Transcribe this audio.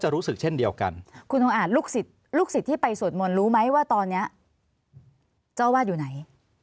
ลูกศิษย์ที่ไปสวดมนตร์รู้ไหมว่าตอนนี้เจ้าวาดอยู่ไหน